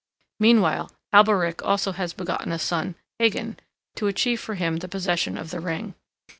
Meanwhile Alberich also has begotten a son, Hagan, to achieve for him the possession of the ring.